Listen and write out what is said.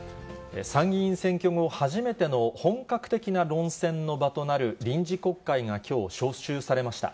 参議院選挙後、初めての本格的な論戦の場となる臨時国会がきょう召集されました。